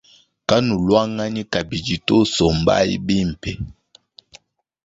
Kanuluanganyi kabidi to sombayi bimpe.